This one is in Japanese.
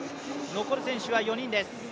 残る選手は４人です。